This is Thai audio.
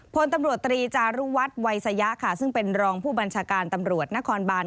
พลตำรวจตรีจารุวัฒน์วัยสยะค่ะซึ่งเป็นรองผู้บัญชาการตำรวจนครบาน